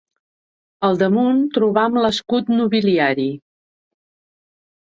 Al damunt trobam l'escut nobiliari.